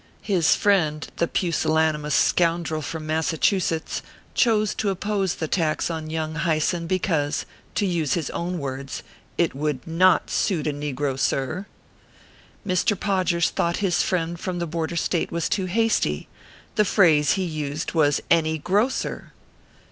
His friend, the pusillanimous scoundrel from Massachusetts, chose to oppose the tax on Young Hyson because to use his own words it would not " suit a negro, sir " Mr. PODGEES thought his friend from the Border State was too hasty. The phrase he used was "any grocer."